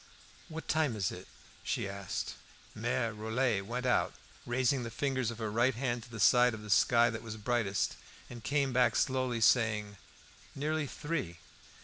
"What time is it?" she asked. Mere Rollet went out, raised the fingers of her right hand to that side of the sky that was brightest, and came back slowly, saying "Nearly three."